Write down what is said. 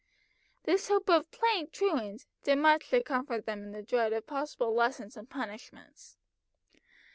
This hope of "playing truant" did much to comfort them in the dread of possible lessons and punishments.